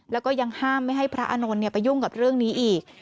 แล้วก็ยังห้ามไม่ให้พระอานนท์ไปยุ่งกับเรื่องนี้อีก